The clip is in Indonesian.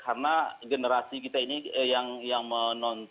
karena generasi kita ini yang memakai gawai yang difasilitasi oleh orang tua ini